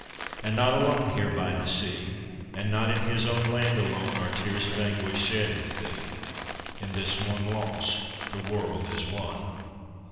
And not alone here by the sea, And not in his own land alone, Are tears of anguish shed with thee In this one loss the world is one.